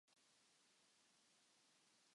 この名句の発案者の折角の笑いが消し飛んでしまう